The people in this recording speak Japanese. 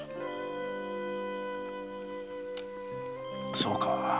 そうか。